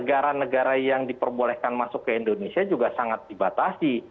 karena negara yang diperbolehkan masuk ke indonesia juga sangat dibatasi